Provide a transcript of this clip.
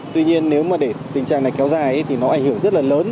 tuy nhiên nếu mà để tình trạng này kéo dài thì nó ảnh hưởng rất là lớn